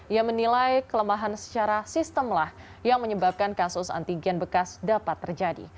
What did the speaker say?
ia menilai kelemahan secara sistemlah yang menyebabkan kasus antigen bekas dapat terjadi